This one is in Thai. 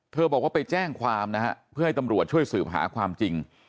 บอกว่าไปแจ้งความนะฮะเพื่อให้ตำรวจช่วยสืบหาความจริง